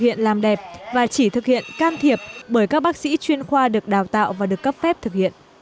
hiện làm đẹp và chỉ thực hiện can thiệp bởi các bác sĩ chuyên khoa được đào tạo và được cấp phép thực hiện